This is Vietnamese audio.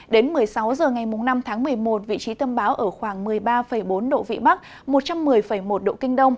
đến một mươi sáu h ngày năm tháng một mươi một vị trí tâm bão ở khoảng một mươi ba bốn độ vĩ bắc một trăm một mươi một độ kinh đông